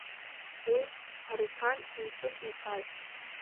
Уи Аруҭан импыҵиԥааит.